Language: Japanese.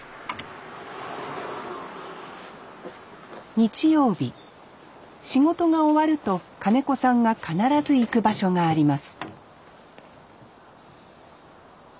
日曜日仕事が終わると金子さんが必ず行く場所があります